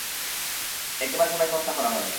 একেবারে সবাইকে হত্যা করা হয়।